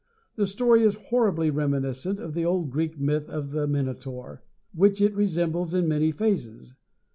The story is horribly reminiscent of the old Greek myth of the Minotaur, which it resembles in many phases.